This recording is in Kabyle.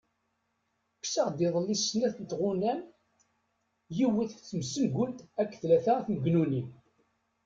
Kkseɣ-d iḍelli snat tɣunam, yiwet tmessengult akked tlala tmegnunin.